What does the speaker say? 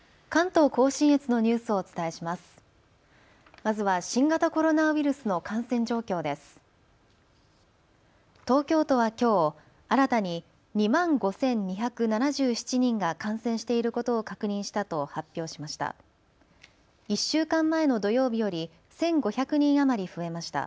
東京都はきょう新たに２万５２７７人が感染していることを確認したと発表しました。